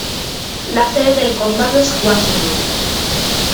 La sede del condado es Washburn.